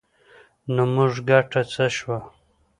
نو زموږ ګټه څه شوه؟